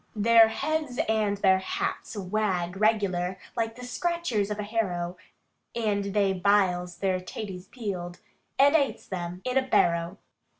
Their heads and their hats wags regular, like the scratchers of a harrow, And they biles their taties peeled, and ates them in a barrow.